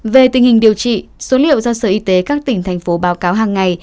về tình hình điều trị số liệu do sở y tế các tỉnh thành phố báo cáo hàng ngày